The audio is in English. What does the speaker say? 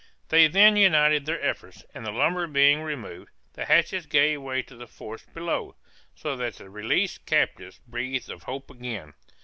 They then united their efforts, and the lumber being removed, the hatches gave way to the force below, so that the released captives breathed of hope again.